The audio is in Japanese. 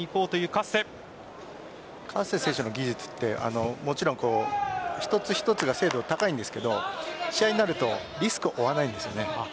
カッセ選手の技術はもちろん一つ一つが精度が高いんですが試合になるとリスクを負わないんです。